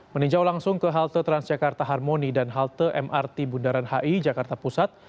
meninjau langsung ke halte transjakarta harmoni dan halte mrt bundaran hi jakarta pusat